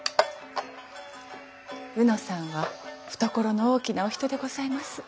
卯之さんは懐の大きなお人でございます。